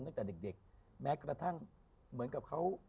ตั้งแต่เด็กแม้กระทั่งเหมือนกับเขา